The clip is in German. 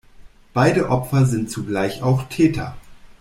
Beide Opfer sind zugleich auch Täter.